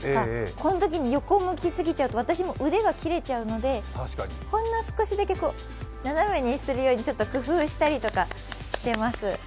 このときに横を向き過ぎちゃうと私も、腕が切れちゃうので、ほんの少しだけ斜めにするように工夫したりとかしてます。